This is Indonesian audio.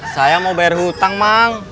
saya mau bayar hutang